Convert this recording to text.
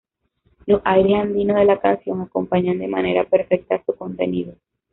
Los aires andinos de la canción acompañan de manera perfecta su contenido.